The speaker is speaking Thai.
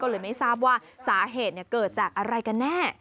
ก็เลยไม่ทราบว่าสาเหตุเกิดจากอะไรกันแน่